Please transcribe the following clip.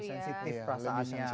lebih sensitif perasaannya